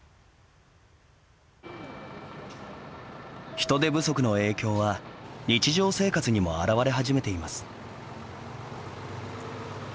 人手不足の影響は日常生活にも現れ始めています。